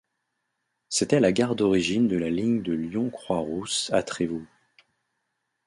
C'était la gare d'origine de la ligne de Lyon-Croix-Rousse à Trévoux.